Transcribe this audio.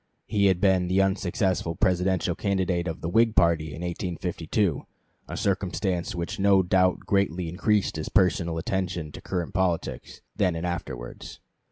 He had been the unsuccessful Presidential candidate of the Whig party in 1852, a circumstance which no doubt greatly increased his personal attention to current politics, then and afterwards.